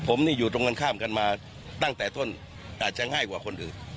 ผมนี่อยู่ตรงกันข้ามกันมาตั้งแต่ต้นอาจจะง่ายกว่าคนอื่น